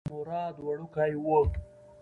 مراد وړوکی و.